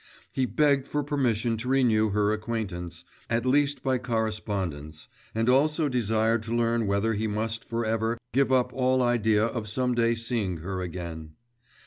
He begged for permission to renew her acquaintance, at least by correspondence, and also desired to learn whether he must for ever give up all idea of some day seeing her again?